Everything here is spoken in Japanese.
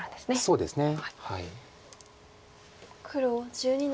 そうですね。